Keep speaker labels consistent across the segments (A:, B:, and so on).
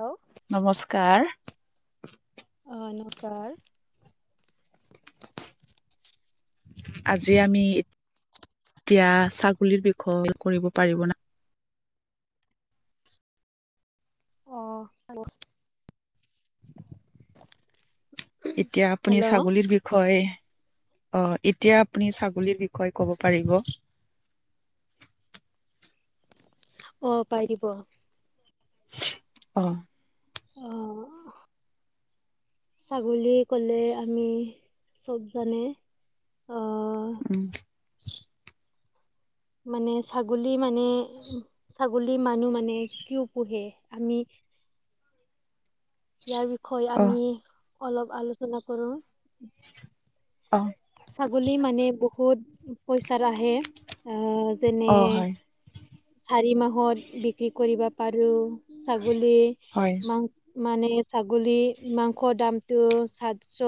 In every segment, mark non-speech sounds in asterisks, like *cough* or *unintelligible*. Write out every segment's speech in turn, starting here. A: আৰু
B: নমস্কাৰ!
A: অ', নমস্কাৰ!
B: আজি আমি এতিয়া, ছাগলীৰ বিষয় কৰিব পাৰিব না?
A: অ',
B: *inaudible* এতিয়া আপুনি
A: হেল্ল'
B: ছাগলীৰ বিষয় হয়, অ', এতিয়া আপুনি ছাগলীৰ বিষয়ে ক'ব পাৰিব।
A: অ', পাৰিব।
B: অ'।
A: অ'। ছাগলী ক'লে, আমি চব জানে। অ'।
B: উম্।
A: মানে, ছাগলী মানে, ছাগলী মানুহে মানে কিয় পোহে? আমি ইয়াৰ বিষয়ে
B: অ
A: আমি, অলপ আলোচনা কৰোঁ।
B: অ'।
A: ছাগলী মানে বহুত পইচাত আহে, অ', যেনে
B: অ হয়
A: চাৰি মাহত বিক্ৰী কৰিব পাৰোঁ। ছাগলী,
B: হয়
A: মাংস মানে ছাগলী মাংসৰ দামটো সাতশ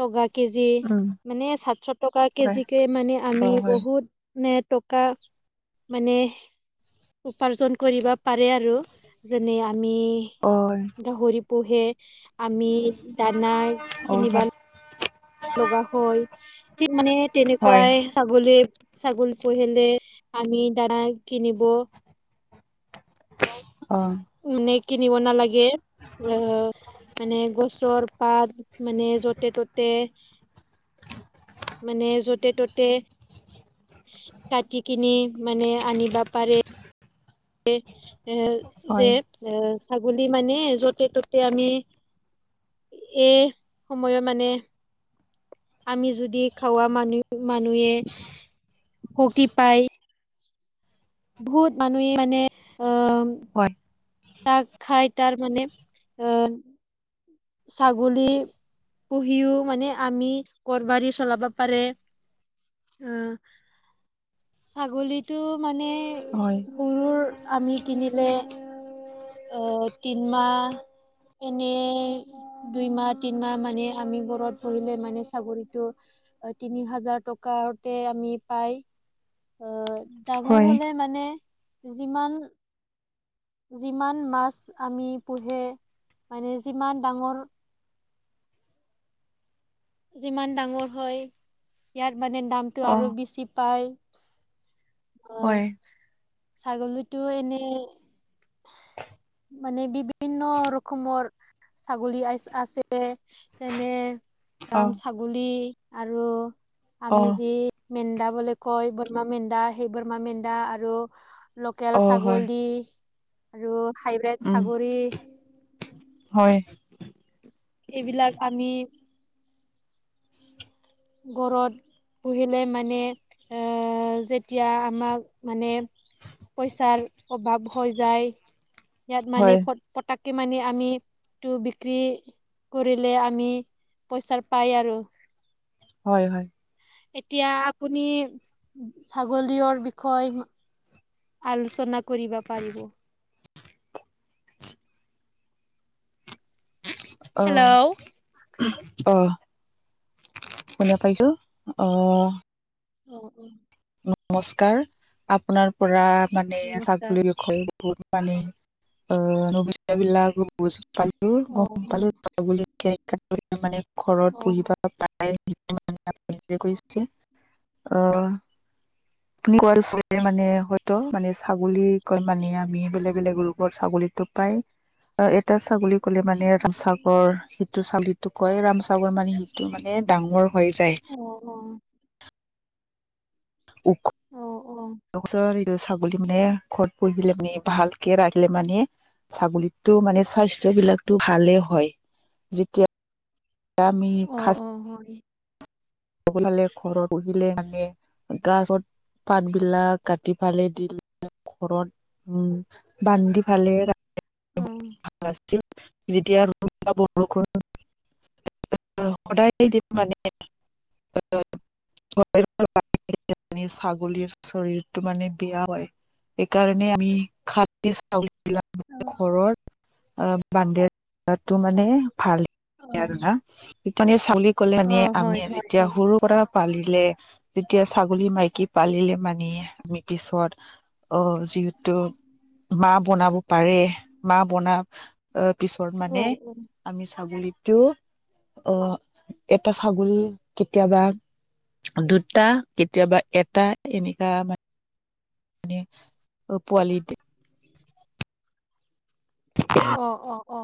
A: টকা কেজি,
B: উম
A: মানে সাতশ টকা
B: হয়
A: কেজিকে মানে আমি
B: অ হয়
A: বহুত নে টকা, মানে উপাৰ্জন কৰিব পাৰে আৰু, যেনে আমি
B: অ
A: গাহৰি পোহে। আমি দানা কিনিব
B: অ'।
A: লগা হল ঠিক মানে
B: হয়
A: তেনেকুৱাই ছাগলী ছাগলী পুহিলে আমি দানা কিনিব
B: অ
A: মানে কিনিব নালাগে আহ মানে গছৰ পাত মানে যতে ততে মানে য'তে ততে কাটি কিনি মানে আনিব পাৰে এ
B: হয়
A: যে এ ছাগলী মানে য'তে ত'তে আমি এই সময়ৰ মানে আমি যদি খোৱা মানুহ মানুহে শক্তি পায় বহুত মানুহে মানে অ
B: হয়
A: তাক খাই তাৰ মানে অ ছাগলী পুহিও মানে আমি ঘৰবাৰী চলাব পাৰে অ ছাগলীটো মানে
B: হয়
A: কৰুৰ আমি কিনিলে অ তিনমাহ এনে দুই মাহ তিনমাহ মানে আমি ঘৰত পুহিলে মানে ছাগলিটো তিনি হাজাৰ টকাতে আমি পাই আহ ডাঙৰ
B: হয়
A: হলে মানে যিমান যিমান মাছ আমি পোহে মানে যিমান ডাঙৰ যিমান ডাঙৰ হয় ইয়াৰ মানে দামটো
B: অ
A: আৰু বেছি পায় অ
B: হয়
A: ছাগলীতো এনে মানে বিভিন্ন ৰকমৰ ছাগলী আ আছে যেনে
B: অ
A: ৰাম ছাগলী আৰু
B: অ
A: আমি যি মেন্দা বুলি কয় বমা মেন্দা সেই বমা মেন্দা আৰু লোকেল
B: অ হয়
A: ছাগলী আৰু হাইব্ৰেড
B: উম
A: ছাগৰী
B: হয়
A: এইবিলাক আমি গৰদ পুহিলে মানে এ যেতিয়া আমাক মানে পইচাৰ অভাৱ হৈ যায় ইয়াত মানে
B: হয়
A: পতাককে মানি আমিটো বিক্ৰী কৰিলে আমি পইচাৰ পাই আৰু
B: হয় হয়
A: এতিয়া আপুনি ছাগলীৰৰ বিষয় আলোচনা কৰিব পাৰিব
B: *unintelligible* অ
A: হেল্ল',
B: অ শুনা পাইছো অ
A: অ অ
B: নমস্কাৰ আপোনাৰ পৰা মানে
A: নমস্কাৰ।
B: ছাগলীৰ বিষয় পানী অ, নবুযা বিলাক বুজ। পালো
A: অ',
B: গম
A: অ',
B: পালো মানে ঘৰত
A: অ',
B: পুহিব। অ। আপুনি কোৱা মানে হয়তো মানে ছাগলী কয় মানে আমি বেলেগ, বেলেগ ৰূপৰ ছাগলী টোক। পাই অ, এটা ছাগলী কলে মানে। চাগৰ সিটো চাবিতটো কয় ৰামচাগৰ মানে সিটো মানে ডাঙৰ হৈ যায়।
A: অ, 'অ।
B: *inaudible*
A: অ', অ', অ', অ',
B: ছাগলী মানে ঘৰত পুহিলে মানে ভালকে ৰাখিলে মানে। ছাগলীততটো মানে স্বাস্তবিলাকটো ভালে হয় যেতিয়া। এয়া আমি
A: অ',
B: ফাষ্ট
A: অ', মৰে।
B: ঘৰত বহিলে মানে গাযত। পাত বিলাক কাটি পালে দিলে ঘৰত। উম বান্ধি ফালে ৰা
A: উম।
B: যেতিয়া ৰদ বা বৰষুণ। সদায় দিম মানে। *unintelligible* য়া মান ছাগলীৰ শৰীৰটো মানে বেয়া হয়। সেইকাৰণে আমি খাতি ছাগলীবিলাক।
A: অ।
B: ঘৰত বান্দি ৰাখাটো মানে ভাল
A: অ',
B: আৰু না। সিপেনে ছাগলী গলে এনে
A: অ', হয়,
B: আমি আজি।
A: হয়, হয়।
B: সৰু পৰা পালিলে যেতিয়া ছাগলী মাইকী পালিলে মানে আমি পিছত। অ, ' যিহেতু মা বনাব পাৰে মা বনা। অ, ' পিছত মানে।
A: অ', অ',
B: আমি ছাগলীটো অ, এটা ছাগলী। কেতিয়াবা দুটা কেতিয়াবা এটা এনেকা মানে। মে পোৱালিট *inaudible*
A: অ, ' অ, অ।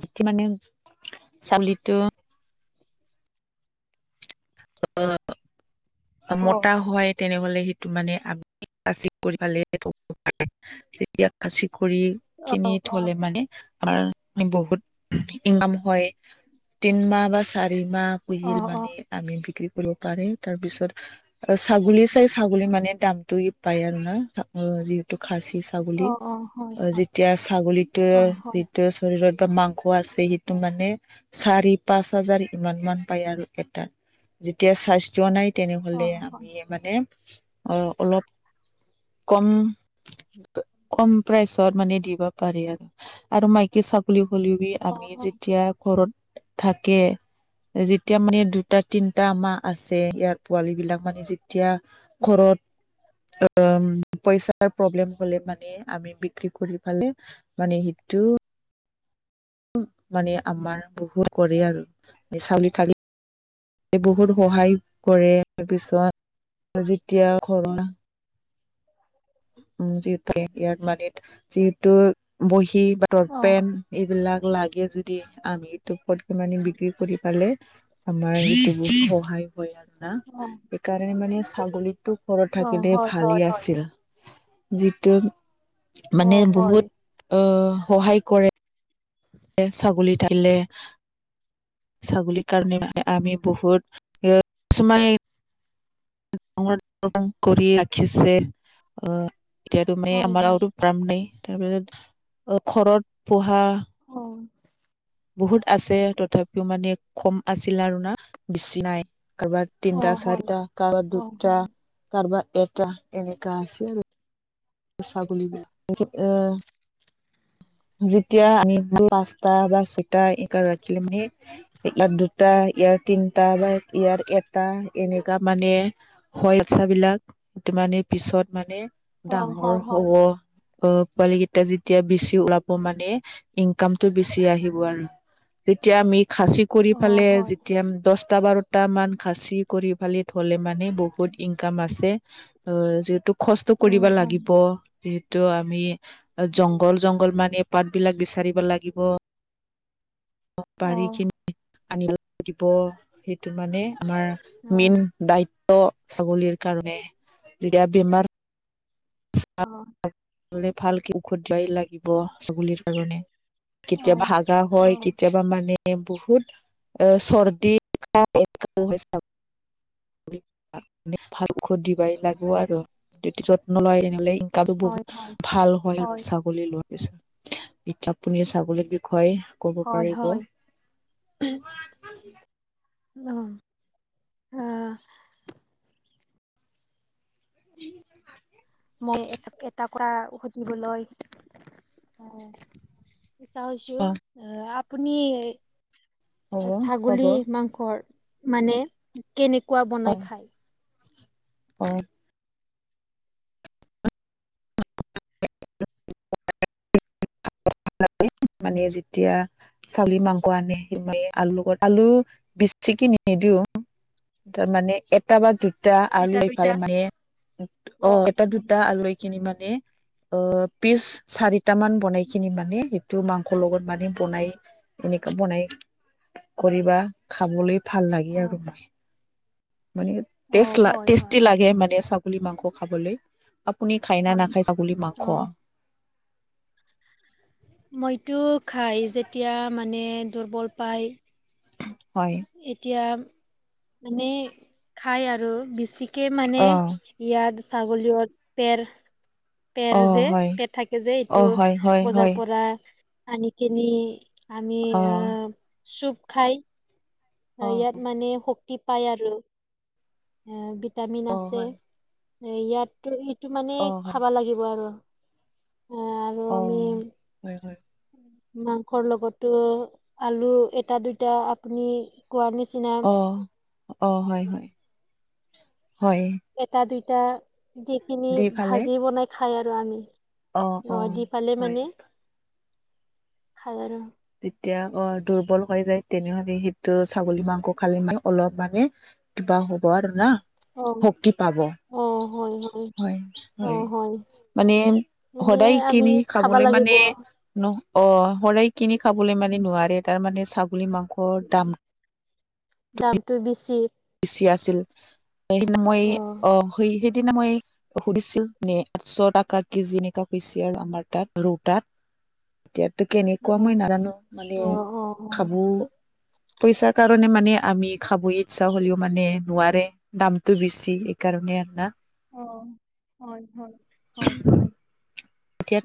B: যিটো মানে ছাগলী এইটো। অ।
A: অ', অ',
B: মতা হয় তেনেহলে সেইটো মানে। তেতিয়া খাচি কৰি খিনি
A: অ', অ',
B: থলে মানে আমাৰ বহুত ইনকাম হয়। তিনমাহ বা চাৰি মাহ পুহিল
A: অ', অ',
B: মানে আমি বিক্ৰী কৰিব পাৰে, তাৰপিছত অ, 'ছাগলী চাই ছাগলী মানে দামটো পায় আৰু না যিহেতু খাচী ছাগলী
A: অ হয়, হয়,
B: যেতিয়া
A: অ', হয়,
B: ছাগলীটোৱে। শৰীৰত বা মাংস আছে সেইটো মানে চাৰি পাঁচ হাজাৰ ইমান মান পায় আৰু এটা যেতিয়া চাইজ চোৱা নাই। তেনেহলে
A: অ', হয়,
B: আমি মানে অ, অলপ কম কম প্ৰাইচত মানে দিব পাৰি আৰু, আৰু মাইকী ছা হলেও ভি
A: অ', অ', অ',
B: আমি যেতিয়া ঘৰত থাকে যেতিয়া মানে দুটা তিনটা আমাৰ আছে ইয়াত পোৱালী বিলাক মানে যেতিয়া ঘৰত অ', পইচাৰ প্ৰব্লেম হলে মানে আমি বিক্ৰী কৰি পালে মানে সিটো মানে আমাৰ বহুত কৰে আৰু *unintelligible* বহুত সহায় কৰে পিছত যেতিয়া ঘৰৰ উম, যিহেতুকে ইয়াৰ মানিত যিহেতু বহী বা দতপেন এইবিলাক লাগে যদি আমিটো পতকে মানে বিক্ৰী কৰি পালে আমাৰ সেইটো বহুত সহায় হয় আৰু না।
A: অ'।
B: সেইকাৰণে মানে ছাগলীতো ঘৰত
A: অ',
B: থাকিলে
A: হয়, হয়,
B: ভালেই
A: হয়,
B: আছিল। যিটো মানে
A: অ', হয়,
B: বহুত অ', সহায় কৰে।
A: *inaudible*
B: এ ছাগলী থাকিলে ছাগলীৰ কাৰণে মানে আমি বহুত *unintelligible* *unintelligible* কৰি ৰাখিছে অ', এতিয়াতো মানে
A: হয়,
B: আমাৰ
A: হয়,
B: গাঁৱতো *unintelligible* তাৰপিছত ঘৰত পোহা।
A: অ'।
B: বহুত আছে তথাপিও মানে ক'ম আছিল আৰু না বেছি নাই, কাৰোবাক
A: অ',
B: তিনটা
A: হয়,
B: চাৰিটা কাৰবাৰ
A: অ', হয়।
B: দুটা কাৰবাৰ এটা এনেকা আছিল। ছাগলী বিলাক *unintelligible* যেতিয়া আমি পাঁচটা বা ছয়টা এনেকা ৰাখিলে মানে ইয়াৰ দুটা ইয়াৰ তিনটা বা ইয়াৰ এটা এনেকা মানে হয় *unintelligible* বিলাক মানে পিছত মানে ডাঙৰ হ'ব অ', পোৱালি কেইটা যেতিয়া বেছি উলা ব মানে ইনকামটো বেছি আহিব আৰু তেতিয়া আমি খাচী কৰি ফালে যেতিয়া দছটা বাৰ টা মান খাচি কৰি পালে থ'লে মানে বহুত ইনকাম আছে অ', যিহেতু কষ্ট কৰিব লাগিব, যিহেতু আমি জংঘল জংঘল মানে পাত বিলাক বিচাৰিব লাগিব, বাৰী খিনি আনিব লাগিব সেইটো মানে আমাৰ মেইন দায়িত্ব। ছাগলীৰ কাৰণে যেতিয়া বেমাৰ
A: অ'।
B: ভালকে ঔষধ *unintelligible* লাগিব ছাগলীৰ কাৰণে। কেতিয়া হাগা হয় কেতিয়া বা মানে বহুত চৰ্দি *unintelligible* ভাল ঔষধ দিবাই লাগিব আৰু *unintelligible* নলয় এনেহ'লে ইনকামো বহুত ভাল হয় আৰু চা গলী লোৱা পিছত, এতিয়া আপুনি ছাগলীক বিষয় কব
A: হয়
B: পাৰিব?
A: হয়
B: *inaudible*
A: অ', আহ
B: *unintelligible*
A: মই এ-এটা *unintelligible* সুধিবলৈ আহ ইচ্ছা হৈছোঁ,
B: অ
A: আহ, আপুনি
B: হ'ব হ'ব
A: ছাগলী মাংসৰ মানে কেনেকুৱা
B: অ
A: বনাই খায়?
B: *unintelligible* *unintelligible* মানে যেতিয়া চাগলি মাংস আনে *unintelligible* আলু আলু বেছি কে নিদিও তাৰ মানে এটা বা দুটা
A: এটা
B: আলু পাই
A: দুইটা
B: মানে অ এটা দুটা আলু খিনি মানে অ পিচ চাৰিটা মান বনাই খিনি মানে সেইটো মাংসৰ লগত মানে বনাই এনেকা বনাই কৰিবা খাবলৈ ভাল লাগে
A: অ
B: আৰু মই, মানে
A: অ
B: টেচ লা
A: হয় হয়
B: টেষ্টি লাগে মানে চাওক ছাগলী মাংস খাবলৈ আপুনি খাই না
A: হয়
B: নাখায় ছাগলী
A: অ
B: মাংস
A: মইতো খাই যেতিয়া মানে দুৰ্বল পায়
B: হয়
A: এতিয়া মানে খাই আৰু বেছিকে মানে
B: অ
A: ইয়াত ছাগলীৰ পেৰ পেৰ
B: অ
A: যে
B: হয়
A: পেৰ থাকে যে
B: অ
A: এইটো
B: হয় হয়
A: বজাৰ
B: হয়
A: পৰা আনি কিনি আমি
B: অ
A: আহ চুপ খাই
B: অ
A: ইয়াত মানে শক্তি পাই আৰু ভিটামিন
B: অ
A: আছে
B: হয়
A: ইয়াত তো এইটো মানে
B: অ হয়
A: খাবা লাগিব আৰু এ আৰু
B: অ
A: আমি
B: হয় হয়
A: মাংসৰ লগতো আলু এটা দুটা আপুনি কোৱাৰ নিচিনা
B: অ অ হয় হয় হয়
A: এটা দুইটা দি কিনি
B: দি ফালে
A: ভাজি বনাই খাই আৰু আমি
B: অ অ
A: আহ দি পালে
B: হয়
A: মানে খাই আৰু
B: যেতিয়া অ দুৰ্বল হৈ যায় তেনেহ'লে সেইটো ছাগলী মাংস খালে মান অলপ মানে কিবা হ'ব আৰু না
A: অ
B: শক্তি পাব
A: অ হয় হয় অ হয়
B: মানে
A: এনে
B: সদায়
A: আমি
B: কিনি
A: খাবা
B: খাবলৈ
A: লাগিব
B: মানে ন অ শৰাই কিনি খাবলৈ মানে নোৱাৰে তাৰমানে ছাগলী মাংসৰ দাম
A: দামটো বেছি
B: বেছি আছিল সেইদিনা মই
A: অ
B: অহ সেই সেইদিনা মই সুধিছিল নে আঠশ টকা কেজি এনেকা কৈছে আৰু আমাৰ তাত ৰৌতাত এতিয়া টো
A: অ
B: কেনেকুৱা মই নাজানো মানে
A: অ অ
B: খাবো পইচাৰ কাৰণে মানে আমি খাবয় ইচ্ছা হ'লেও মানে নোৱাৰে দামটো বেছি এইকাৰণে আন না
A: অ হয় হয় হয় হয়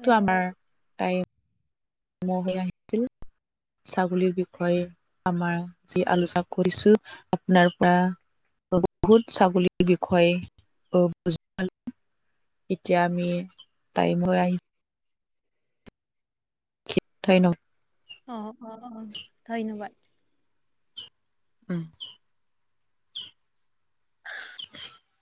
A: অ
B: আমাৰ তাই *unintelligible* হৈ আহিছিল ছাগলীৰ বিষয়ে আমাৰ যি আলোচনা কৰিছো আপোনাৰ পৰা বহুত ছাগলীৰ বিষয়ে বুজি পালো এতিয়া আমি টাইম হৈ আহি *unintelligible*
A: অ অ অ ধন্যবাদ
B: উম
A: *unintelligible*